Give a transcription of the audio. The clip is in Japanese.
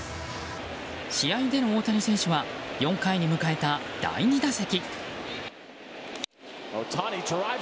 試合での大谷選手は４回に迎えた第２打席。